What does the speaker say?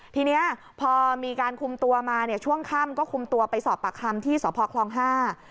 ทีเนี้ยพอมีการคุมตัวมาเนี่ยช่วงค่ำก็คุมตัวไปสอบปากคำที่สพคลองห้า